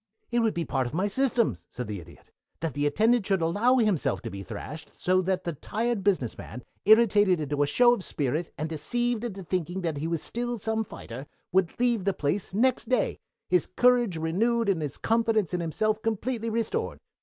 "It would be part of my system," said the Idiot, "that the attendant should allow himself to be thrashed, so that the tired business man, irritated into a show of spirit and deceived into thinking that he was still some fighter, would leave the place next day, his courage renewed and his confidence in himself completely restored.